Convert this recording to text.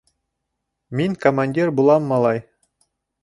— Мин командир булам, малай.